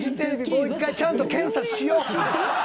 もう１回ちゃんと検査しよ。